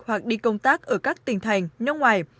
hoặc đi công tác ở các tỉnh thành nước ngoài